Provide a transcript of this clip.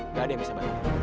nggak ada yang bisa bantu